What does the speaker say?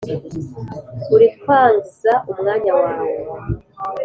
Urikwangza umwanya wawe